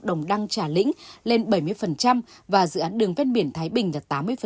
đồng đăng trà lĩnh lên bảy mươi và dự án đường phét biển thái bình là tám mươi